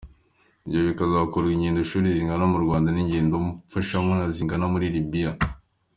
Ibyo bikazakorwa habaho ingendoshuri zigana mu Rwanda n’ingendo mfashamyumvire zigana muri Libya.